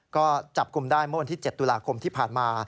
ก็จับกลุ่มได้เมื่อวันที่๗ตุลาคมที่ผ่านมา